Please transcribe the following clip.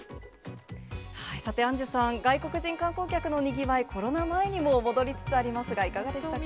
さて、アンジュさん、外国人観光客のにぎわい、コロナ前にも戻りつつありますが、いかがでしたか。